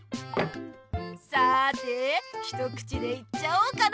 さて一口でいっちゃおうかな。